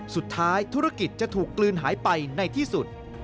ธุรกิจจะถูกกลืนหายไปในที่สุด